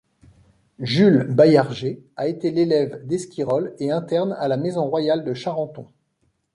Jules Baillarger a été l'élève d'Esquirol et interne à la Maison royale de Charenton.